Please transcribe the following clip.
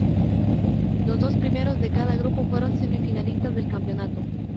Los dos primeros de cada grupo fueron semifinalistas del campeonato.